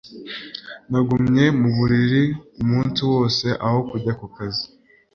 Nagumye mu buriri umunsi wose aho kujya ku kazi.